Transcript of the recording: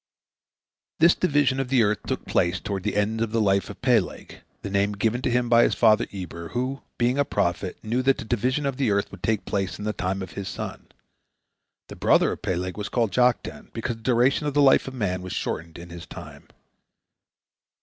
This division of the earth took place toward the end of the life of Peleg, the name given to him by his father Eber, who, being a prophet, knew that the division of the earth would take place in the time of his son. The brother of Peleg was called Joktan, because the duration of the life of man was shortened in his time.